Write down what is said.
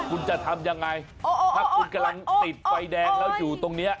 คุณจะทำยังไงถ้าคุณกำลังติดไฟแดงแล้วอยู่ตรงนี้